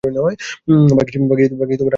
ভাগ্যিস আপনাকে সময়মতো পেয়েছিলাম।